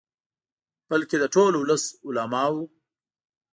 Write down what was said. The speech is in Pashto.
بلکې د ټول ولس، علماؤ.